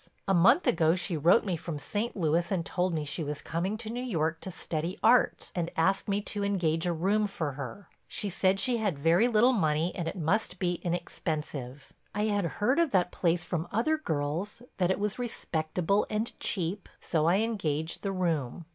A month ago she wrote me from St. Louis and told me she was coming to New York to study art and asked me to engage a room for her. She said she had very little money and it must be inexpensive. I had heard of that place from other girls—that it was respectable and cheap—so I engaged the room.